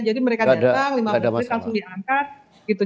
jadi mereka datang lima puluh menit langsung diangkat gitu